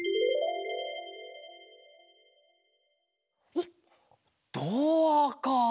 おっドアか。